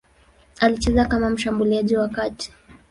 Alicheza kama mshambuliaji wa kati.